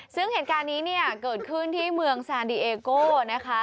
ซึ่งเหตุการณ์นี้เนี่ยเกิดขึ้นที่เมืองซานดีเอโก้นะคะ